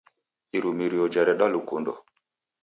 Irumirio jareda lukundo